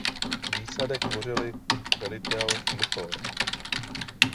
Výsadek tvořili velitel npor.